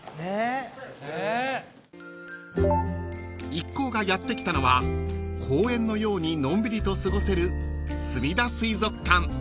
［一行がやって来たのは公園のようにのんびりと過ごせる］